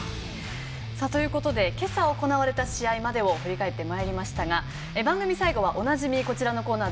今朝行われた試合までを振り返ってまいりましたが番組最後はおなじみ、こちらのコーナー。